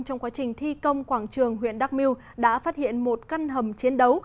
trong quá trình thi công quảng trường huyện đắk miêu đã phát hiện một căn hầm chiến đấu